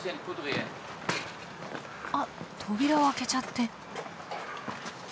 あっ扉を開けちゃって。